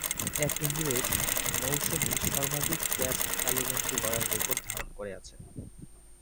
এক ইংরেজ মৌসুমে সর্বাধিক ক্যাচ তালুবন্দী করার রেকর্ড ধারণ করে আছেন।